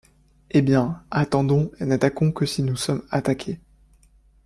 Eh bien, attendons, et n’attaquons que si nous sommes attaqués.